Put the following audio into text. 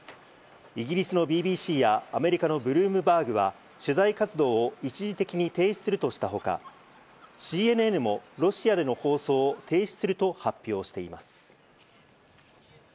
イギリスのＢＢＣやアメリカのブルームバーグは、取材活動を一時的に停止するとしたほか、ＣＮＮもロシアでの放送を停止すると発表しています。